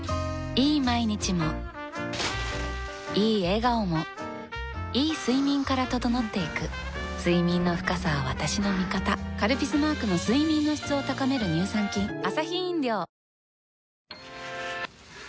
いい毎日もいい笑顔もいい睡眠から整っていく睡眠の深さは私の味方「カルピス」マークの睡眠の質を高める乳酸菌え？